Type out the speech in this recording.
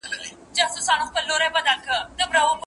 زه خپله مينه ټولومه له جهانه څخه